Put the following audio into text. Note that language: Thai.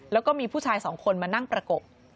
แล้วก็มีผู้ชายสองคนมานั่งประกบ